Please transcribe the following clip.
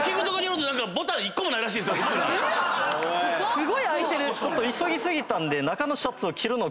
すごい開いてる。